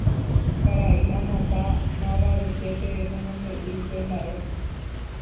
Karai Anata mavavetépe nomombe'úi upe mba'e.